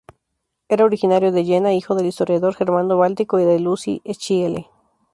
Era originario de Jena, hijo del historiador germano-báltico y de Lucie Schiele.